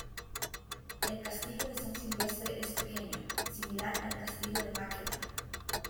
El castillo de San Silvestre es pequeño, similar al castillo de Maqueda.